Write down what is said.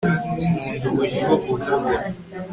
nkunda uburyo uvuga